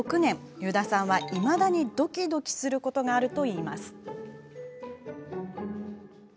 油田さんは、いまだにドキドキすることがあるといいます。